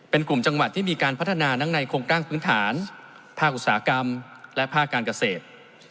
เป็นกลุ่มจังหวัดที่มีการพัฒนาทั้งในโครงสร้างพื้นฐานภาคอุตสาหกรรมและภาคการเกษตร